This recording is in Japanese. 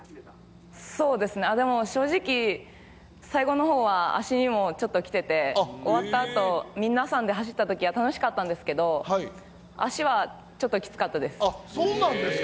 そうですね、あ、でも、正直、最後のほうは足にもちょっときてて、終わったあと、皆さんで走ったときは、楽しかったんですけど、足はちょっときつそうなんですか。